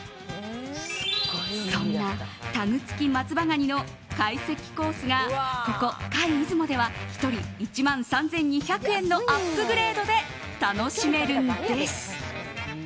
そんなタグ付き松葉ガニの会席コースがここ、界出雲では１人１万３２００円のアップグレードで楽しめるんです。